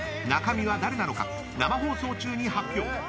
中身は誰なのか生放送中に発表。